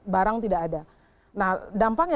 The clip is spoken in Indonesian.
barang tidak ada nah dampaknya